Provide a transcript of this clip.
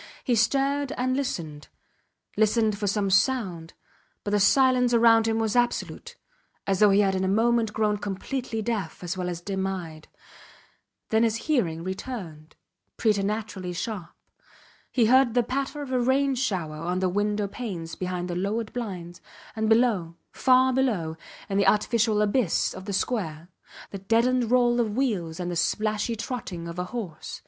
He stared and listened; listened for some sound, but the silence round him was absolute as though he had in a moment grown completely deaf as well as dim eyed. Then his hearing returned, preternaturally sharp. He heard the patter of a rain shower on the window panes behind the lowered blinds, and below, far below, in the artificial abyss of the square, the deadened roll of wheels and the splashy trotting of a horse.